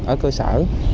ở cơ sở